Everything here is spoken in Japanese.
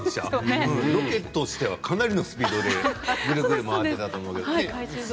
ロケとしてはかなりのスピードでぐるぐる回っていたと思います。